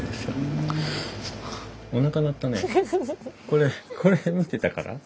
これこれ見てたから？